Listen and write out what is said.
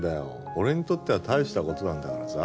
俺にとっては大した事なんだからさ。